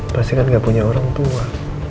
pasti kan gak punya orang tua